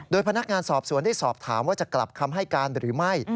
พนักงานสอบสวนได้สอบถามว่าจะกลับคำให้การหรือไม่